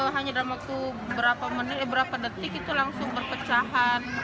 hanya dalam waktu berapa menit berapa detik itu langsung berpecahan